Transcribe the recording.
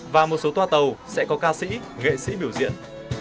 và một số toa tàu sẽ có ca sĩ nghệ sĩ biểu diễn